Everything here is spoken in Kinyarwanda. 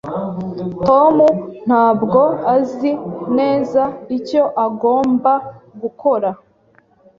Tom ntabwo azi neza icyo agomba gukora.